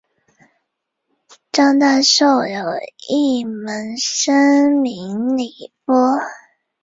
张大受的有一门生名李绂。